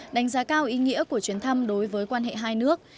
đánh giá cao ý nghĩa của chuyến thăm đối với quan hệ hai nước